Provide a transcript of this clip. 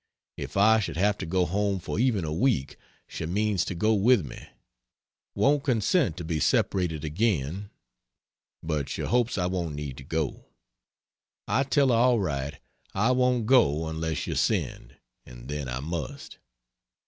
If I should have to go home for even a week she means to go with me won't consent to be separated again but she hopes I won't need to go. I tell her all right, "I won't go unless you send, and then I must."